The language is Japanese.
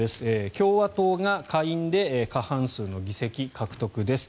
共和党が下院で過半数の議席獲得です。